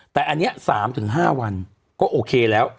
แต่อันนี้๓๕วันก็โอเคแล้ว